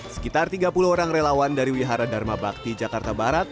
sekitar tiga puluh orang relawan dari wihara dharma bakti jakarta barat